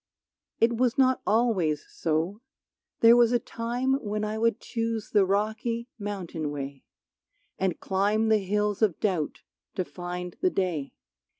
It was not always so, there was a time When I would choose the rocky mountain way, And climb the hills of doubt to find the day.